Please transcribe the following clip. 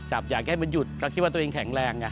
อยากให้มันหยุดก็คิดว่าตัวเองแข็งแรงไง